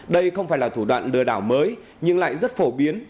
đây không phải là thủ đoạn lừa đảo mới nhưng lại rất phổ biến